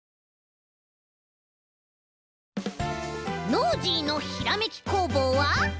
「ノージーのひらめき工房」は。